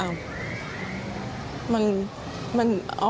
เขาจะให้เงินทำบุญก็ไม่เอา